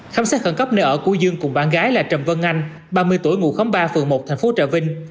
khám xét khẩn cấp nơi ở của dương cùng bạn gái là trần vân anh ba mươi tuổi ngụ khóm ba phường một thành phố trà vinh